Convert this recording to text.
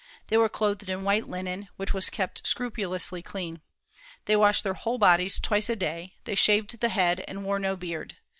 They were clothed in white linen, which was kept scrupulously clean. They washed their whole bodies twice a day; they shaved the head, and wore no beard.